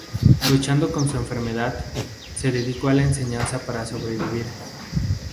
Luchando con su enfermedad, se dedicó a la enseñanza para sobrevivir.